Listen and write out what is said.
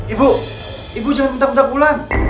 ibu ibu jangan minta minta ulan